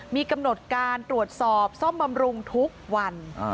มีกำหนดการตรวจสอบซ่อมบำรุงทุกวัน